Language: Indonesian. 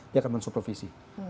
dia akan mensupervisi